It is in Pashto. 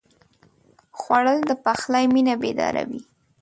خوړل د پخلي مېنه بیداروي